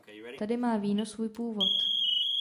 Tady má víno svůj původ!